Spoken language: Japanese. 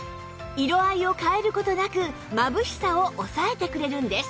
色合いを変える事なくまぶしさを抑えてくれるんです